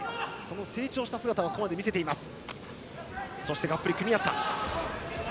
成長した姿をここまで見せています。